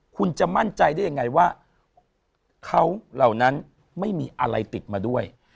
คุณจะมั่นใจได้ยังไงว่าเขาเหล่านั้นไม่มีอะไรติดมาด้วย